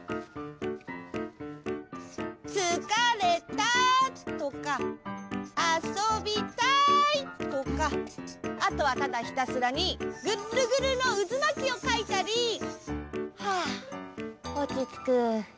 「つかれた」とか「あそびたい」とかあとはただひたすらにぐっるぐるのうずまきをかいたりはあおちつく。